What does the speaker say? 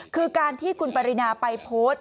คือการที่คุณปรินาไปโพสต์